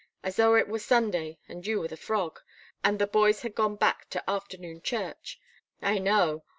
As though it were Sunday, and you were the frog and the boys had gone back to afternoon church? I know!